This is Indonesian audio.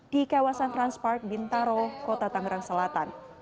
di kawasan transpark bintaro kota tangerang selatan